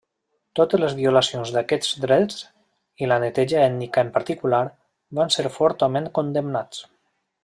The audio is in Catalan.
Totes les violacions d'aquests drets, i la neteja ètnica en particular, van ser fortament condemnats.